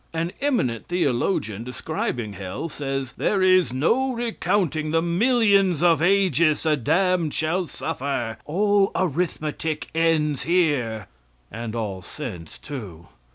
An eminent theologian, describing hell, says: "There is no recounting the millions of ages the damned shall suffer. All arithmetic ends here" and all sense, too!